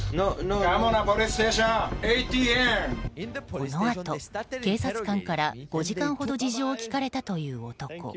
このあと、警察官から５時間ほど事情を聴かれたという男。